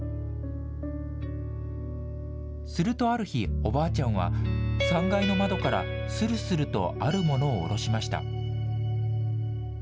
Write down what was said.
するとある日、おばあちゃんは、３階の窓から、するするとある物を下ろしました。